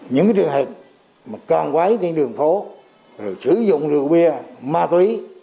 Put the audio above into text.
những cái trường hợp mà con quái trên đường phố rồi sử dụng rượu bia ma túy